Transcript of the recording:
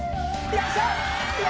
よいしょ！